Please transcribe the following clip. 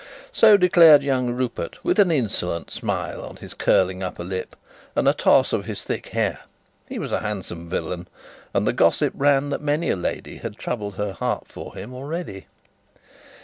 So declared young Rupert with an insolent smile on his curling upper lip and a toss of his thick hair he was a handsome villain, and the gossip ran that many a lady had troubled her heart for him already.